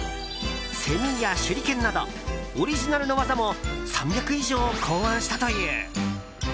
セミや手裏剣などオリジナルの技も３００以上考案したという。